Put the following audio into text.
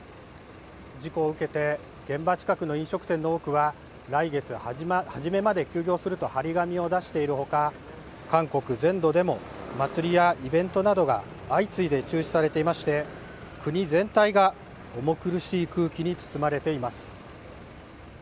事故を受けて現場近くの飲食店の多くは来月初めまで休業すると貼り紙を出しているほか韓国全土でも祭りやイベントなどが相次いで中止されていまして国全体が重苦しく空気に包まれています。